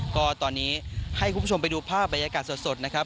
ก็ตอนนี้ให้คุณผู้ชมไปดูภาพบรรยากาศสดนะครับ